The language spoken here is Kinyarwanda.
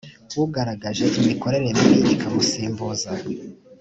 ugaragaje imikorere mibi ikamusimbuza